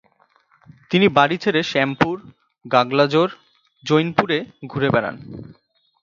তিনি বাড়ি ছেড়ে শ্যামপুর, গাগলাজোর, জৈনপুরে ঘুরে বেড়ান।